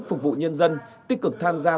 phục vụ nhân dân tích cực tham gia